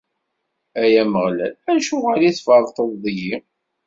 Ay Ameɣlal, acuɣer i tferṭeḍ deg-i?